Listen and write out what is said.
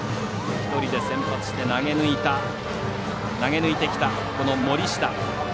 １人で先発して投げ抜いてきたこの森下。